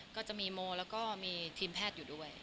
ก็จะมีโมแล้วก็มีทีมแพทย์อยู่ด้วย